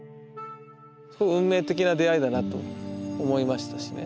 運命的な出会いだなと思いましたしね。